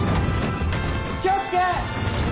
気をつけ！